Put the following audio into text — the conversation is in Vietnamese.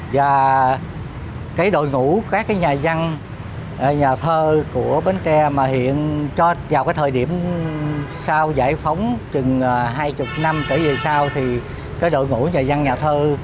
và cái đội ngũ các cái nhà dân nhà thơ của bến tre mà hiện cho vào cái thời điểm sau giải phóng chừng hai mươi năm kể về sau thì cái đội ngũ nhà dân nhà thơ